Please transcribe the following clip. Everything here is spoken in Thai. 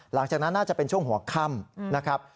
หลังจากนั้นน่าจะเป็นช่วงหัวค่ำนะครับ